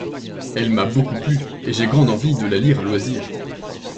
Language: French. Elle m'a beaucoup plu et j'ai grande envie de la lire à loisir.